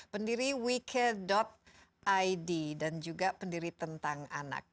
pendiri we care id dan juga pendiri tentang anak